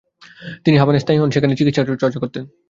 তিনি হাভানায় স্থায়ী হন ও সেখানে চিকিৎসা চর্চা করতেন।